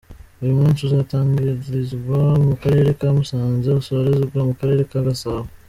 Uyu munsi uzatangirizwa mu karere ka Musanze usorezwe mu karere ka Gasabo.